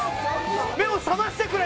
目を覚ましてくれ！